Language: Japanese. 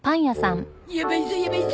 やばいゾやばいゾ！